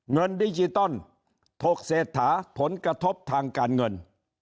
เงินดิจิตอลถกเศรษฐาผลกระทบทางการเงิน